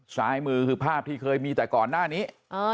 ซ้ายมือคือภาพที่เคยมีแต่ก่อนหน้านี้